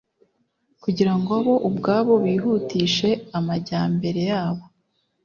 kugirango bo ubwabo bihutishe amajyambere yabo